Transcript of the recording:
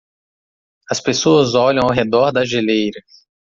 As pessoas olham ao redor da geleira